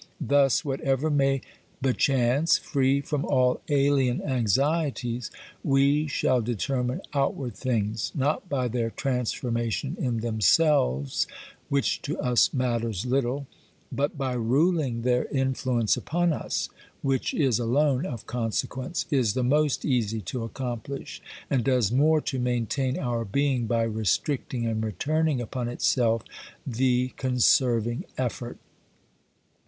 Thus, whatever may bechance, free from all alien anxieties, we shall determine outward things, not by their transformation OBERMANN 7 in themselves, which to us matters little, but by ruling their influence upon us, which is alone of consequence, is the most easy to accomplish, and does more to maintain our being by restricting and returning upon itself the conserving effort.